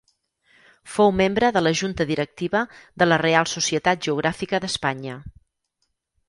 Fou membre de la junta directiva de la Reial Societat Geogràfica d'Espanya.